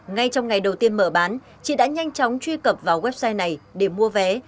ngay trong ngày đầu tiên mở bán chị đã nhanh chóng truy cập vào website này để mua vé